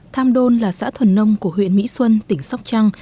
tham đôn là xã thuần nông của huyện mỹ xuân tỉnh sóc trăng